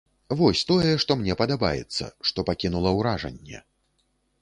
Вось тое, што мне падабаецца, што пакінула ўражанне.